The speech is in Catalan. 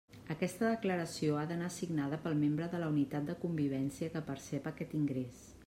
Aquesta declaració ha d'anar signada pel membre de la unitat de convivència que percep aquest ingrés.